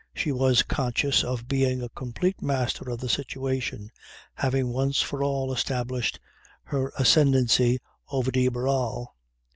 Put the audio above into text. She was conscious of being a complete master of the situation, having once for all established her ascendancy over de Barral.